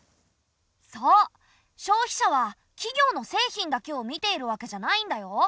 そう消費者は企業の製品だけを見ているわけじゃないんだよ。